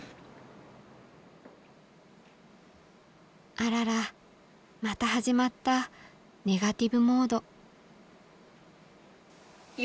あららまた始まったネガティブモード。